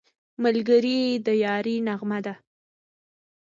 ملګری د یارۍ نغمه ده